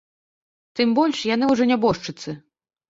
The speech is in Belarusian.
Тым больш, яны ўжо нябожчыцы.